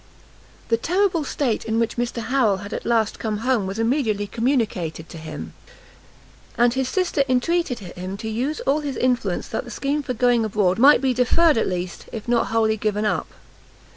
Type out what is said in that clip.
The terrible state in which Mr Harrel had at last come home was immediately communicated to him, and his sister entreated him to use all his influence that the scheme for going abroad might be deferred, at least, if not wholly given up.